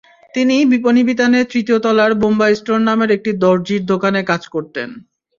তিনি বিপণিবিতানের তৃতীয় তলার বোম্বাই স্টোর নামের একটি দরজির দোকানে কাজ করতেন।